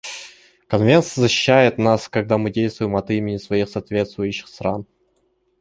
Конвенция защищает нас, когда мы действуем от имени своих соответствующих стран.